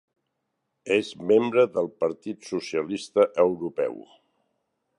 És membre del Partit Socialista Europeu.